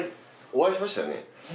お会いしましたよね？